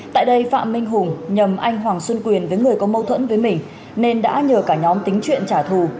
tại đây phạm minh hùng nhầm anh hoàng xuân quyền với người có mâu thuẫn với mình nên đã nhờ cả nhóm tính chuyện trả thù